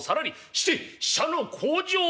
「して使者の口上は？」。